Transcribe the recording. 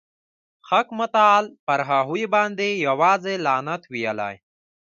حق متعال پر هغوی باندي یوازي لعنت ویلی.